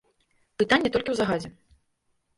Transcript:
Пытанне толькі ў загадзе.